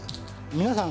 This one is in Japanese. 皆さん